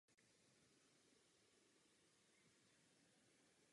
Pochází z Číny a je pěstován jako okrasná dřevina i v České republice.